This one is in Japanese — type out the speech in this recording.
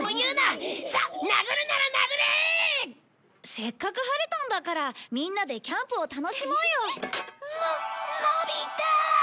せっかく晴れたんだからみんなでキャンプを楽しもうよ。ののび太！